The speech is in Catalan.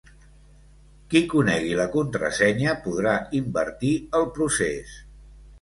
Qui conegui la contrasenya podrà invertir el procés.